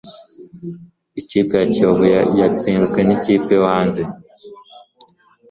ikipe ya kiyovu yatsinzwe nikipe yohanze